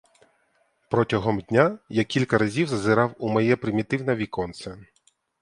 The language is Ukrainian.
Протягом дня я кілька разів зазирав у моє примітивне віконце.